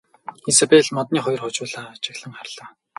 Изабель модны хоёр хожуулаа ажиглан харлаа.